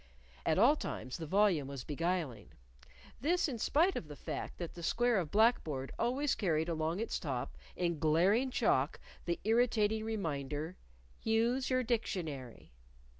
At all times the volume was beguiling this in spite of the fact that the square of black board always carried along its top, in glaring chalk, the irritating reminder: _Use Your Dictionary!